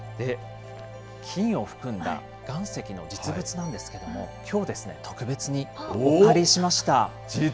金を含んだ岩石の実物なんですけれども、きょうですね、特別にお借りしました。